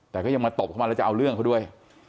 แต่ก็ยังมาตบเข้ามาเอาเรื่องหลังด้วย